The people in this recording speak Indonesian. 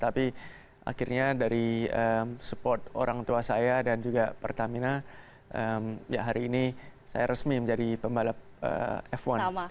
tapi akhirnya dari support orang tua saya dan juga pertamina ya hari ini saya resmi menjadi pembalap f satu